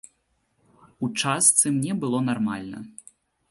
У частцы мне было нармальна.